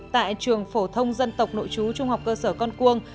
tại trường phổ thông dân tộc nội chú trung học cơ sở con cuông